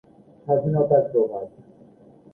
স্বাধীনতার প্রভাত।